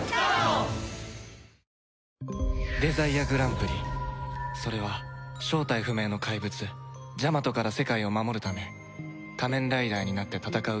デザイアグランプリそれは正体不明の怪物ジャマトから世界を守るため仮面ライダーになって戦うゲーム